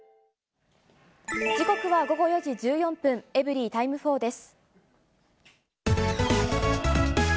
時刻は午後４時１４分、エブリィタイム４です。